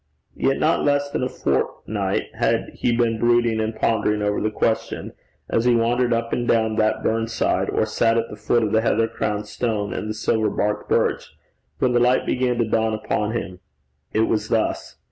Yet not less than a fortnight had he been brooding and pondering over the question, as he wandered up and down that burnside, or sat at the foot of the heather crowned stone and the silver barked birch, when the light began to dawn upon him. It was thus.